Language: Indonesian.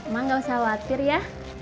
mah gak usah khawatir ya